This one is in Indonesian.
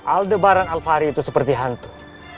aldebaran alfari itu seperti hantu